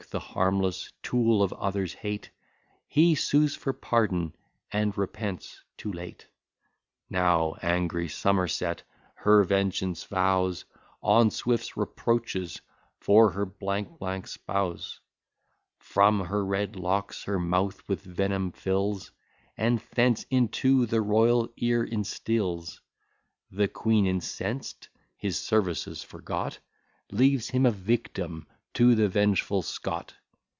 the harmless tool of others' hate; He sues for pardon, and repents too late. Now angry Somerset her vengeance vows On Swift's reproaches for her spouse: From her red locks her mouth with venom fills, And thence into the royal ear instils. The queen incensed, his services forgot, Leaves him a victim to the vengeful Scot.